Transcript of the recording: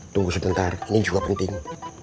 tunggu sebentar ini juga penting